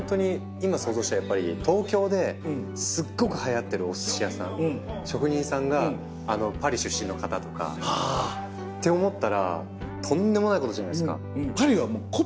今想像したらやっぱり東京ですごくはやってるお寿司屋さん職人さんがパリ出身の方とかって思ったらとんでもないことじゃないですか。